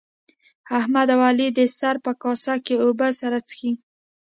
احمد او علي د سر په کاسه کې اوبه سره څښي.